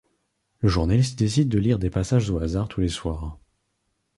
Le journaliste décide de lire des passages au hasard tous les soirs.